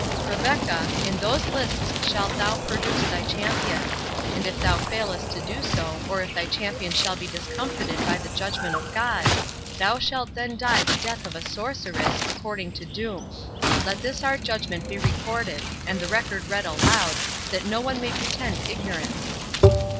—"Rebecca, in those lists shalt thou produce thy champion; and if thou failest to do so, or if thy champion shall be discomfited by the judgment of God, thou shalt then die the death of a sorceress, according to doom.—Let this our judgment be recorded, and the record read aloud, that no one may pretend ignorance."